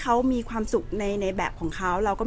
แต่ว่าสามีด้วยคือเราอยู่บ้านเดิมแต่ว่าสามีด้วยคือเราอยู่บ้านเดิม